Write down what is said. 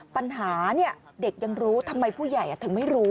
ปัญหาเด็กยังรู้ทำไมผู้ใหญ่ถึงไม่รู้